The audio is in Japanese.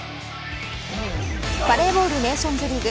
バレーボールネーションズリーグ。